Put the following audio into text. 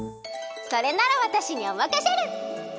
それならわたしにおまかシェル！